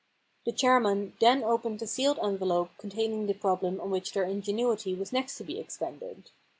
The chairman then opened the sealed envelope containing the problem on which their ingenuity was next to be expended.